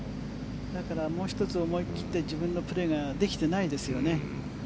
だからもう１つ思い切って自分のプレーができてないですよね。